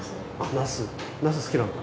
なす好きなんだ。